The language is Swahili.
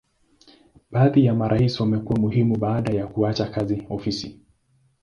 Baadhi ya marais wamekuwa muhimu baada ya kuacha kazi ofisi.